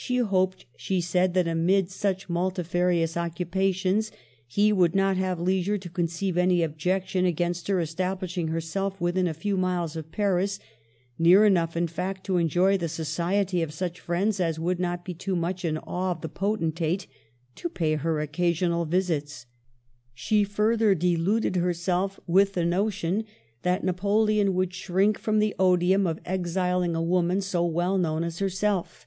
She hoped, she said, that amid such multifarious occu pations he would not have leisure to conceive any objection against her establishing herself within a few miles of Paris, near enough, in fact, to enjoy the society of such friends as would not be too much in awe of the potentate to pay her occa sional visits. She further deluded herself with the notion that Napoleon would shrink from the odium of exiling a woman so well known as her self.